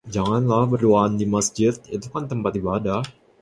Janganlah berduaan di Masjid, itu kan tempat ibadah..